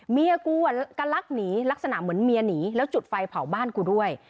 เมียกูกำลังลักหนีลักษณะเหมือนเมียหนีแล้วจุดไฟเผาบ้านกูด้วย